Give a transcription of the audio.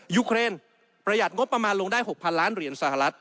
ยูเครนประหยัดงบประมาณลงได้๖๐๐ล้านเหรียญสหรัฐ